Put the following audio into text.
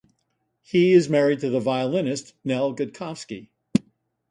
He is married to the violinist Nell Gotkovsky.